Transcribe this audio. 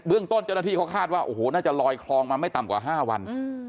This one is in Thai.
เรื่องต้นเจ้าหน้าที่เขาคาดว่าโอ้โหน่าจะลอยคลองมาไม่ต่ำกว่า๕วัน